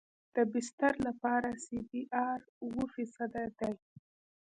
د بستر لپاره سی بي ار اوه فیصده دی